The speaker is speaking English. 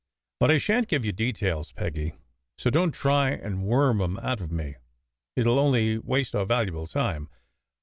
But I shan t give you details, Peggy, so don t try and worm em out of me. It ll only waste our valuable time.